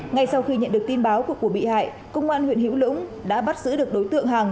ngay sau khi nhận được tin báo của bị hại công an huyện hữu lũng đã bắt giữ được đối tượng hàng